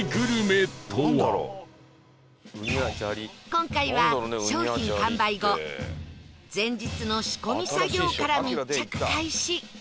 今回は商品完売後前日の仕込み作業から密着開始